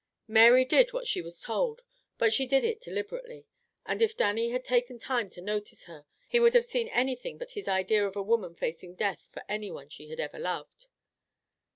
Mary did what she was told, but she did it deliberately, and if Dannie had taken time to notice her he would have seen anything but his idea of a woman facing death for any one she ever had loved.